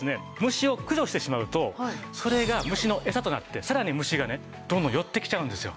虫を駆除してしまうとそれが虫のエサとなってさらに虫がねどんどん寄ってきちゃうんですよ。